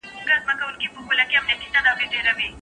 استاد د څېړنیزي مقالې بېلابېلي برخي لولي.